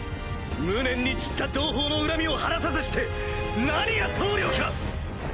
無念に散った同胞の恨みを晴らさずして何が頭領か！